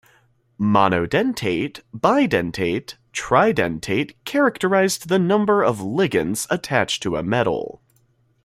Monodentate, bidentate, tridentate characterized the number of ligands attached to a metal.